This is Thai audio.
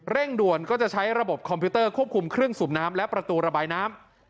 ด่วนก็จะใช้ระบบคอมพิวเตอร์ควบคุมเครื่องสูบน้ำและประตูระบายน้ำ